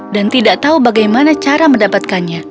dan tidak tahu bagaimana cara mendapatkannya